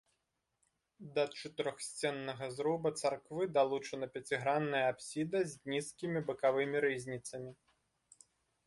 Да чатырохсценнага зруба царквы далучана пяцігранная апсіда з нізкімі бакавымі рызніцамі.